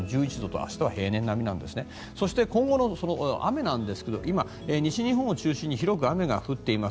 明日の天気なんですが今、西日本を中心に広く雨が降っています。